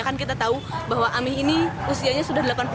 kan kita tahu bahwa amih ini usianya sudah delapan puluh